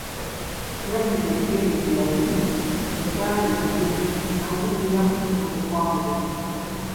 Yaddira ekigere kye ekyali ekinene n'akirinnya ku kugulu kwa Mulumba.